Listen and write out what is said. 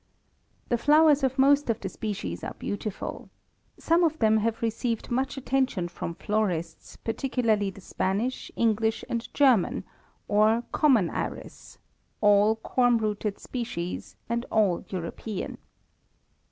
The flowers of most of the species are beautiful. Some of them have received much attention from florists, particularly the Spanish, English, and German, or common iris, all corm rooted species, and all European.